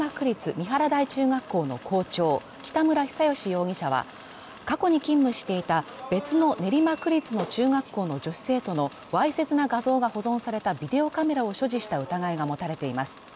三原台中学校の校長北村比左嘉容疑者は過去に勤務していた別の練馬区立の中学校の女子生徒のわいせつな画像が保存されたビデオカメラを所持した疑いが持たれています